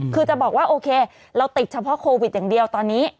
คือจะบอกว่าโอเคเราติดเฉพาะโควิดอย่างเดียวตอนนี้